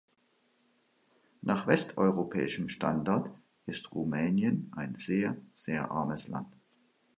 Nach westeuropäischem Standard ist Rumänien ein sehr, sehr armes Land.